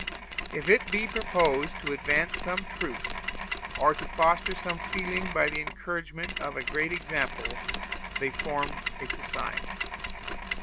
If it be proposed to advance some truth, or to foster some feeling by the encouragement of a great example, they form a society.